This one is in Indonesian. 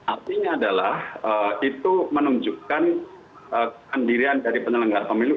artinya adalah itu menunjukkan kemandirian dari penelenggara pemilu